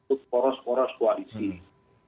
sudah terbentuk poros poros koalisi